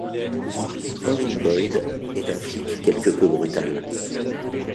Orin Boyd est un flic quelque peu brutal.